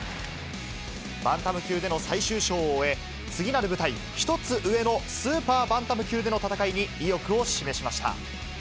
バンタム級での最終章を終え、次なる舞台、１つ上のスーパーバンタム級での戦いに、意欲を示しました。